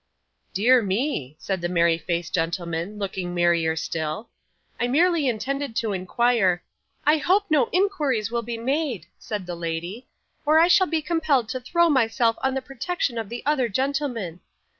'Dear me,' said the merry faced gentleman, looking merrier still, 'I merely intended to inquire ' 'I hope no inquiries will be made,' said the lady, 'or I shall be compelled to throw myself on the protection of the other gentlemen.